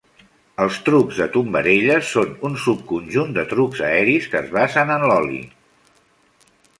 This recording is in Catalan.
Els "trucs de tombarelles" són un subconjunt de trucs aeris que es basen en l'ol·li.